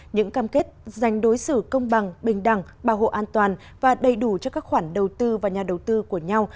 những cam kết dành đối xử công bằng bình đẳng bảo hộ an toàn và đầy đủ cho các khoản đầu tư và nhà đầu tư của nhau